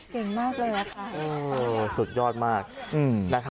เก่งมากเลยนะค่ะโอ้สุดยอดมากอืม